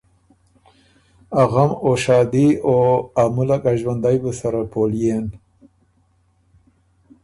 ا غم ا شادي او ا مُلّک ا ݫوندئ بُو سره پولئېن۔